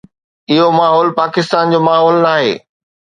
اهو ماحول پاڪستان جو ماحول ناهي.